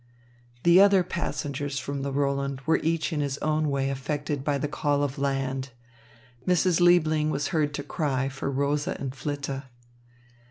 The other passengers from the Roland were each in his own way affected by the call of "Land!" Mrs. Liebling was heard to cry for Rosa and Flitte.